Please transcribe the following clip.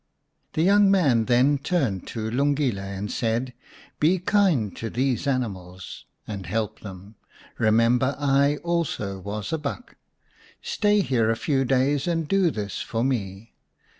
The young man then turned to Lungile and said, " Be kind to these animals, and help them. Kemember I also was a buck. Stay here a few days, and do this for me.